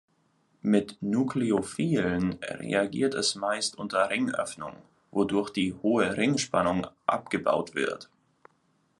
Mit Nukleophilen reagiert es meist unter Ringöffnung, wodurch die hohe Ringspannung abgebaut wird.